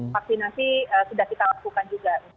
vaksinasi sudah kita lakukan juga